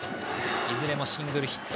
いずれもシングルヒット。